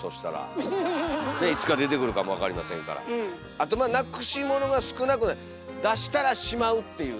あとまあなくしものが少なくなる「出したらしまう」っていうね。